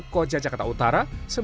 koja jakarta utara